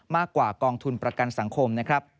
มากกว่ากองทุนประกันสังคมนะครับ